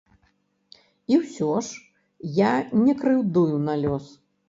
І ўсё ж я не крыўдую на лёс.